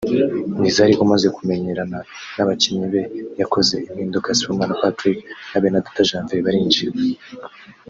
Nizar umaze kumenyerana n’abakinnyi be yakoze impinduka Sibomana Patrick na Benedata Janvier barinjira